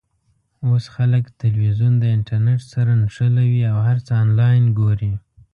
اوس خلک ټلویزیون د انټرنېټ سره نښلوي او هر څه آنلاین ګوري.